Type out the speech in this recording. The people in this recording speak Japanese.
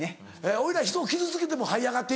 俺らひとを傷つけてもはい上がって。